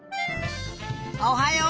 おはよう！